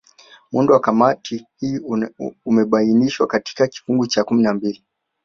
Muundo wa Kamati hii umebainishwa katika kifungu cha kumi na mbili